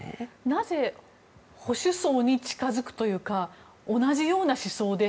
なぜ保守層に近づくというか同じような思想で